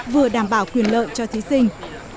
vừa đảm bảo quyền lợi cho thí sinh